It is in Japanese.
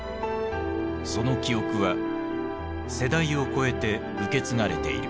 その記憶は世代を超えて受け継がれている。